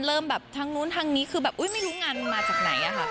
เริ่มแบบทางนู้นทางนี้คือแบบอุ๊ยไม่รู้งานมันมาจากไหนอะค่ะ